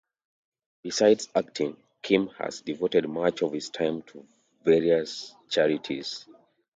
Besides acting, Kim has devoted much of his time to various charities.